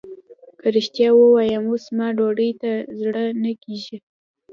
که رښتيا ووايم اوس زما ډوډۍ ته زړه نه کېږي.